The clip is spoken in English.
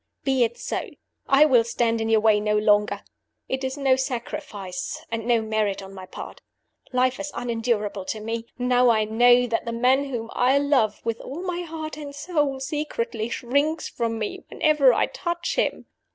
Be it so! I will stand in your way no longer. It is no sacrifice and no merit on my part. Life is unendurable to me, now I know that the man whom I love with all my heart and soul secretly shrinks from me whenever I touch him.